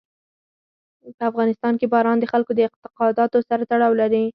په افغانستان کې باران د خلکو د اعتقاداتو سره تړاو لري.